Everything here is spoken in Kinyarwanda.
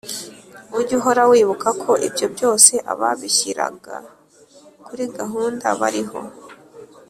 Ujye uhora wibuka ko ibyo byose Ababishyiraga kuri gahunda Bariho